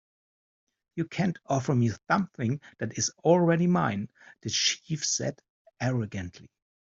"You can't offer me something that is already mine," the chief said, arrogantly.